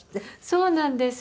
そうなんです。